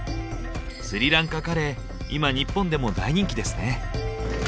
スリランカカレー今日本でも大人気ですね。